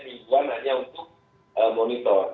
mingguan hanya untuk monitor